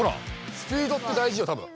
スピードってだいじよたぶん。